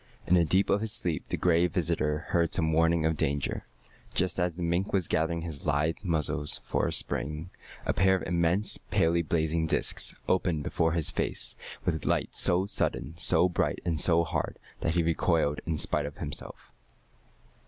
In the deep of his sleep the Gray Visitor heard some warning of danger. Just as the mink was gathering his lithe muscles for a spring, a pair of immense, palely blazing discs opened before his face with a light so sudden, so bright, and so hard that he recoiled in spite of himself.